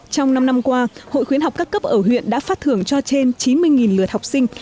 trong năm năm qua hội khuyến học các cấp ở huyện đã phát thưởng cho trên chín mươi lượt học sinh